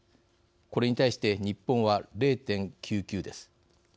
これに対して日本は０．９９です。